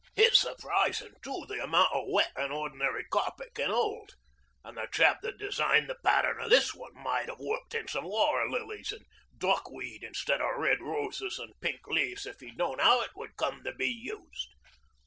It's surprisin' too the amount o' wet an ordinary carpet can hold, an' the chap that designed the pattern o' this one might 'ave worked in some water lilies an' duckweed instead o' red roses an' pink leaves if he'd known 'ow it would come to be used.